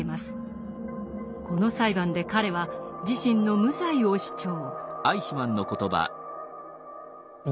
この裁判で彼は自身の無罪を主張。